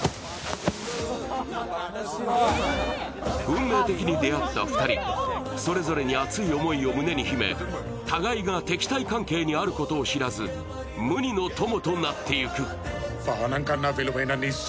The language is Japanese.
運命的に出会った２人それぞれに熱い思いを胸に秘め、互いに敵対関係にあることを知らず、無ニの友となっていく。